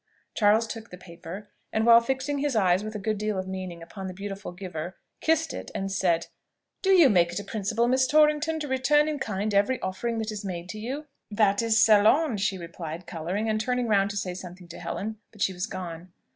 Charles took the paper, and while fixing his eyes with a good deal of meaning upon the beautiful giver, kissed it, and said, "Do you make it a principle, Miss Torrington, to return in kind every offering that is made you?" "That is selon," she replied, colouring, and turning round to say something to Helen: but she was gone.